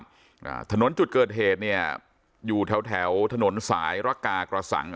อ่าถนนจุดเกิดเหตุเนี้ยอยู่แถวแถวถนนสายระกากระสัง